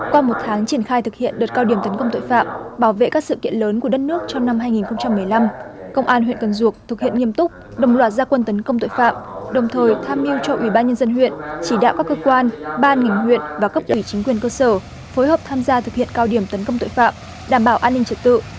qua một tháng triển khai thực hiện đợt cao điểm tấn công tội phạm bảo vệ các sự kiện lớn của đất nước trong năm hai nghìn một mươi năm công an huyện cần duộc thực hiện nghiêm túc đồng loạt gia quân tấn công tội phạm đồng thời tham mưu cho ủy ban nhân dân huyện chỉ đạo các cơ quan ban ngành huyện và cấp ủy chính quyền cơ sở phối hợp tham gia thực hiện cao điểm tấn công tội phạm đảm bảo an ninh trật tự